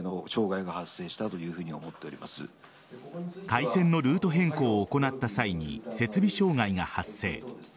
回線のルート変更を行った際に設備障害が発生。